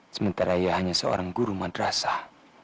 sementara ia hanya seorang guru madrasah